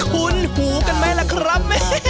คุ้นหูกันไหมล่ะครับ